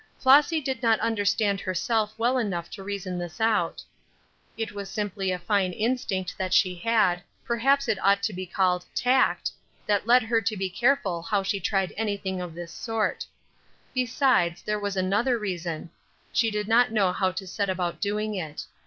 Flossy did not understand herself well enough to reason this out. It was simply a fine instinct that she had, perhaps it ought to be called "tact," that led her to be careful how she tried anything of this sort. Besides, there was another reason. She did not know how to set about doing it.